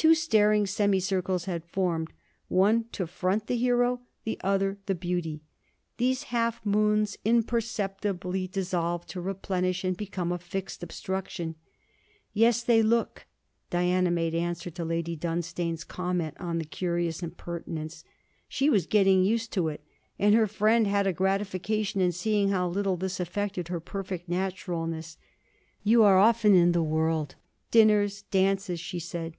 Two staring semi circles had formed, one to front the Hero; the other the Beauty. These half moons imperceptibly dissolved to replenish, and became a fixed obstruction. 'Yes, they look,' Diana made answer to Lady Dunstane's comment on the curious impertinence. She was getting used to it, and her friend had a gratification in seeing how little this affected her perfect naturalness. 'You are often in the world dinners, dances?' she said.